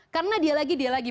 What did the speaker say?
karena dia lagi dia lagi